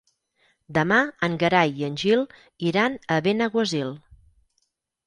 Demà en Gerai i en Gil iran a Benaguasil.